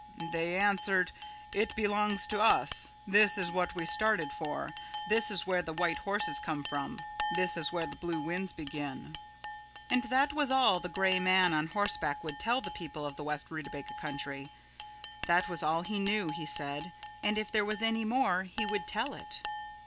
They answered, 'It belongs to us; this is what we started for; this is where the white horses come from; this is where the blue winds begin.'" And that was all the Gray Man on Horseback would tell the people of the west Rootabaga Country. That was all he knew, he said, and if there was any more he would tell it.